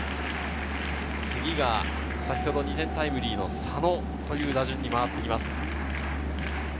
次が先ほど２点タイムリーの佐野という打順です。